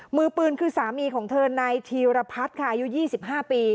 มือปืนคือสามีของเธอนายธีรพัฒน์ค่ะอายุ๒๕ปี